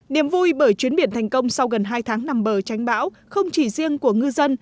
niềm vui bởi chuyến biển thành công sau gần hai tháng nằm bờ tránh bão không chỉ riêng của ngư dân